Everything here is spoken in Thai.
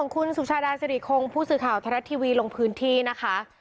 คุณสุชาดาสิริคงผู้สื่อข่าวไทยรัฐทีวีลงพื้นที่นะคะ